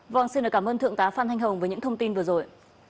vâng xin cảm ơn thượng tá phan thanh hồng với những thông tin vừa rồi